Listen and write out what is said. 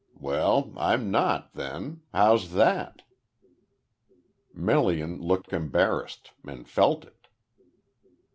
Well, I'm not, then. How's that?" Melian looked embarrassed, and felt it.